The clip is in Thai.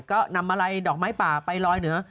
ก็นำมาลัยดอกไม้ป่าไปลอยเหนือ